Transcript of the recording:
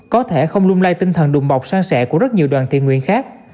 có thể không lung lay tinh thần đùm bọc sang sẻ của rất nhiều đoàn thiên nguyên khác